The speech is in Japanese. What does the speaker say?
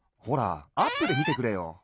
ほらアップでみてくれよ。